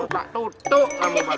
mau tak tutup kamu pake ini